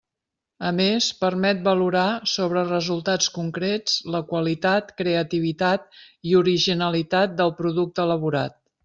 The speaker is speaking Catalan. A més, permet valorar, sobre resultats concrets, la qualitat, creativitat i originalitat del producte elaborat.